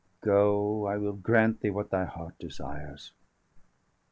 Go, I will grant thee what thy heart desires."